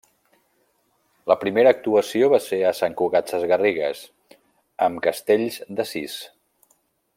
La primera actuació va ser a Sant Cugat Sesgarrigues, amb castells de sis.